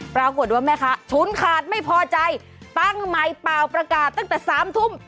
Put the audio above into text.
ปรากฏว่าแม่ค้าฉุนขาดไม่พอใจตั้งใหม่เปล่าประกาศตั้งแต่๓ทุ่ม